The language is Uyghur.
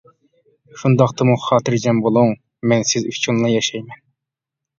شۇنداقتىمۇ خاتىرجەم بولۇڭ، مەن سىز ئۈچۈنلا ياشايمەن.